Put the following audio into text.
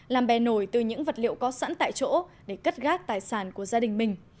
làm bè nổi từ những vật liệu có sẵn tại chỗ để cất gác tài sản của gia đình mình